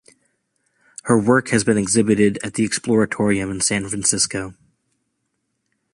Her work has been exhibited at the Exploratorium in San Francisco.